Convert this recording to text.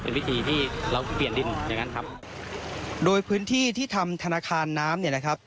เป็นวิธีที่เราเปลี่ยนดินอย่างนั้นครับโดยพื้นที่ที่ทำธนาคารน้ำเนี่ยนะครับ